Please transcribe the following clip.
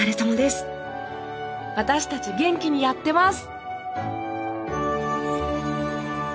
私たち元気にやってます！